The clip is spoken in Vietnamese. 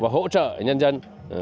hỗ trợ nhân dân